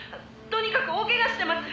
「とにかく大けがしてます。